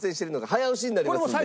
早押しになりますんで。